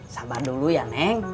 sabar dulu ya neng